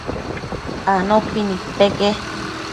Anopi nidpeque